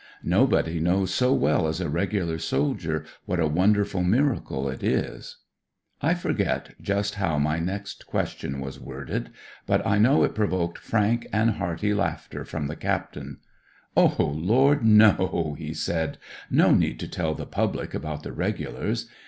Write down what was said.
Nobody knows so well as a regular soldier what a wonderful miracle it is." WE DONT COUNT WOUNDS " 108 I forget just how my next question was worded, but I know it provoked frank and hearty laughter from the captain. " Oh, Lord, no I " he said. " No need to tell the public about the Regulars.